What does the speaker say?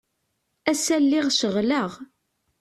Ass-a lliɣ ceɣleɣ.